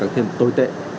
thêm tồi tệ